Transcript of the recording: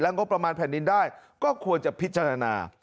งบประมาณแผ่นดินได้ก็ควรจะพิจารณา